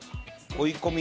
追い込み。